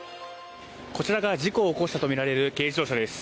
こちらが事故を起こしたとみられる軽自動車です。